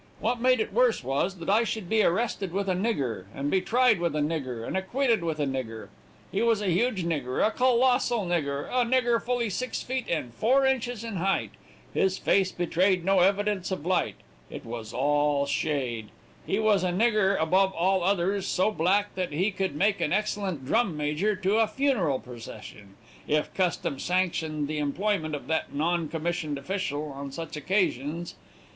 What made it worse was, that I should be arrested with a nigger, and be tried with a nigger, and acquitted with a nigger. He was a huge nigger a colossal nigger a nigger fully six feet and four inches in height; his face betrayed no evidence of light it was all shade; he was a nigger, above all others, so black, that he would make an excellent drum major to a funeral procession, if custom sanctioned the employment of that non commissioned official on such occasions.